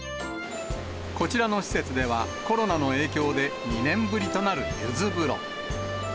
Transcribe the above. こちらの施設では、コロナの影響で、２年ぶりとなるゆず風呂。